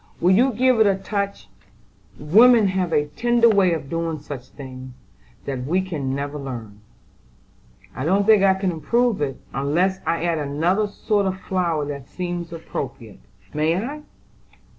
Will you give it a touch? women have a tender way of doing such things that we can never learn." "I don't think I can improve it, unless I add another sort of flower that seems appropriate: may I?"